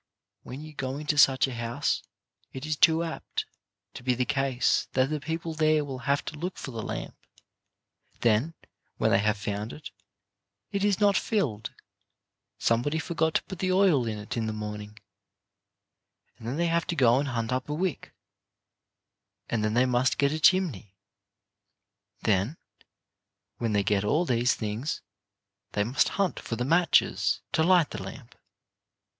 When you go into such a house it is too apt to be the case that the people there will have to look for the lamp; then, when they have found it, it is not filled ; somebody forgot to put the oil in it in the morning; then they have to go and hunt up a wick, and then they must get a chimney. Then, when they get all these things, they must hunt for the matches to light the lamp.